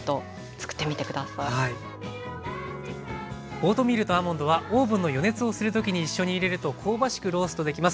オートミールとアーモンドはオーブンの予熱をする時に一緒に入れると香ばしくローストできます。